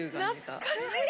懐かしい！